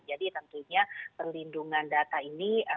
jadi tentunya perlindungan data ini